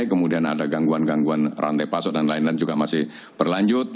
kemudian ada gangguan gangguan rantai pasok dan lain lain juga masih berlanjut